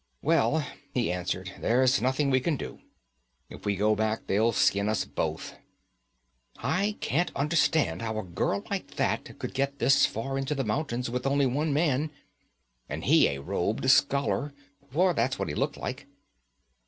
'Well,' he answered, 'there's nothing we can do. If we go back, they'll skin us both. I can't understand how a girl like that could get this far into the mountains with only one man and he a robed scholar, for that's what he looked like.